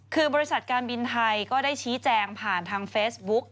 คือบริษัทการบินไทยก็ได้ชี้แจงผ่านทางเฟซบุ๊ก